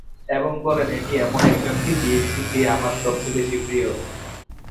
এবং বলেন এটি এমন একজনকে দিয়েছি যে আমার সবচেয়ে বেশি প্রিয়।